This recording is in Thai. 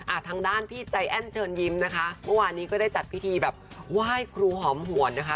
ทางด้านพี่ใจแอ้นเชิญยิ้มนะคะเมื่อวานนี้ก็ได้จัดพิธีแบบไหว้ครูหอมหวนนะคะ